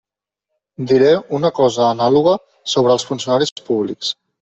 Diré una cosa anàloga sobre els funcionaris públics.